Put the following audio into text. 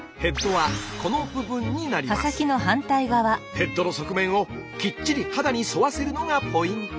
ヘッドの側面をきっちり肌に沿わせるのがポイント。